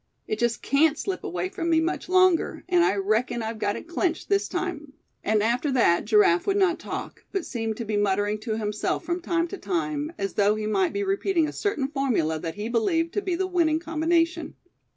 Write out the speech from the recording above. It just can't slip away from me much longer; and I reckon I've got it clinched this time," and after that Giraffe would not talk, but seemed to be muttering to himself from time to time, as though he might be repeating a certain formula that he believed to be the winning combination.